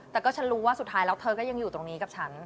แต่ก็ฉันรู้ว่าสุดท้ายแล้วเธอก็ยังอยู่ตรงนี้กับฉัน